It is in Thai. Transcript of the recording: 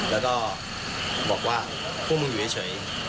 แล้วก็บอกว่าพวกมึงอยู่เฉย